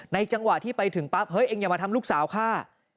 จังหวะที่ไปถึงปั๊บเฮ้ยเองอย่ามาทำลูกสาวฆ่า